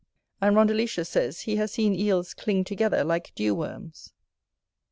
And Rondeletius says, he has seen Eels cling together like dew worms.